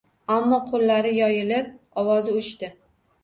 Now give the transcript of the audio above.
Ammo qo`llari yoyilib ovozi o`chdi